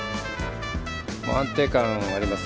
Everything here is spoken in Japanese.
安定感があります。